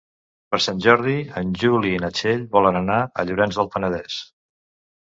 Per Sant Jordi en Juli i na Txell volen anar a Llorenç del Penedès.